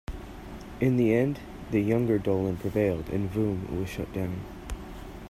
In the end, the younger Dolan prevailed and Voom was shut down.